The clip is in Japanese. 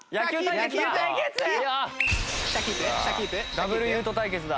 ダブルユウト対決だ。